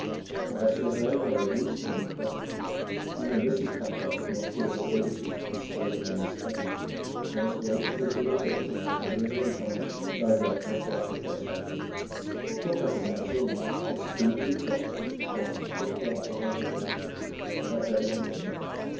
But I saw no way of reaching him at present. Even Mrs. Packard did not feel at liberty to disturb him in his study. I must wait for his reappearance, and in the meantime divert myself as best I could. I caught up a magazine, but speedily dropped it to cast a quick glance around the room. Had I heard anything?